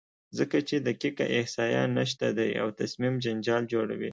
ځکه چې دقیقه احصایه نشته دی او تصمیم جنجال جوړوي،